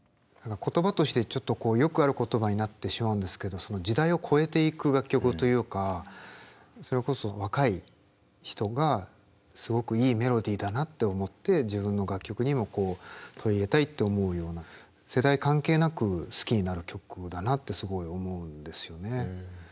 言葉としてちょっとよくある言葉になってしまうんですけどその時代を超えていく楽曲というかそれこそ若い人がすごくいいメロディーだなって思って自分の楽曲にも取り入れたいって思うような世代関係なく好きになる曲だなってすごい思うんですよね。